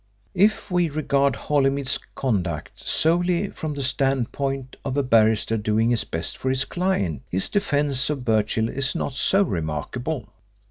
If we regard Holymead's conduct solely from the standpoint of a barrister doing his best for his client his defence of Birchill is not so remarkable.